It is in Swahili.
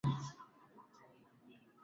Ni idara ya Nyumba na Makazi na Tume ya Waqfu